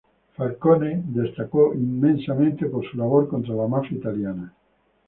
Falcone destacó inmensamente por su labor contra la mafia italiana.